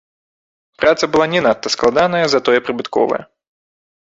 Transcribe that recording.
Праца была не надта складаная, затое прыбытковая.